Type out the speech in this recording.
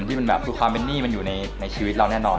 ที่มันแบบคือความเป็นหนี้มันอยู่ในชีวิตเราแน่นอน